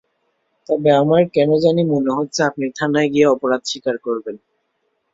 তবে আমার কেন জানি মনে হচ্ছে, আপনি থানায় গিয়ে অপরাধ স্বীকার করবেন।